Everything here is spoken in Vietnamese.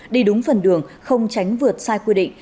đi đúng phần đường không tránh vượt sai quy định